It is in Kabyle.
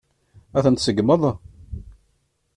Ad ten-tseggmeḍ?